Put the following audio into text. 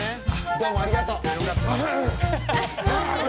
どうもありがとう。